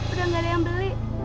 udah gak ada yang beli